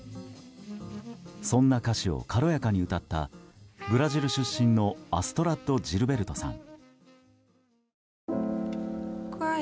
そんな歌詞を軽やかに歌ったブラジル出身のアストラッド・ジルベルトさん。